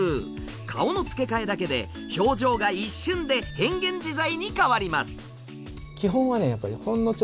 顔の付け替えだけで表情が一瞬で変幻自在に変わります。